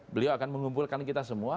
beliau akan mengumpulkan kita semua